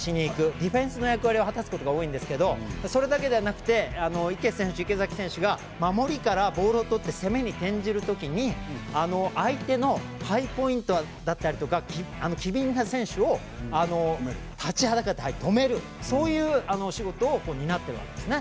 ディフェンスの役割を果たすことが多いんですけどそれだけではなくて池選手、池崎選手が守りからボールをとって攻めに転じるときに相手のハイポインターだったり機敏な選手を立ちはだかって止めるというそういう仕事を担っているわけですね。